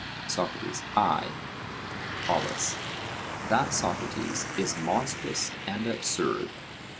SOCRATES: Aye. POLUS: That, Socrates, is monstrous and absurd.